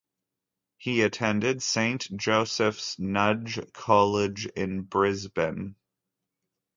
He attended Saint Josephs Nudgee College in Brisbane.